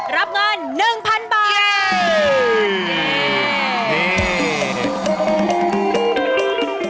รับเงิน๑๐๐๐บาท